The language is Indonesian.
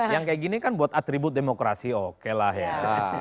yang kayak gini kan buat atribut demokrasi oke lah ya